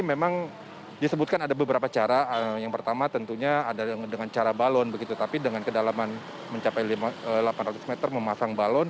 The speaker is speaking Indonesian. jadi memang disebutkan ada beberapa cara yang pertama tentunya ada dengan cara balon begitu tapi dengan kedalaman mencapai delapan ratus meter memasang balon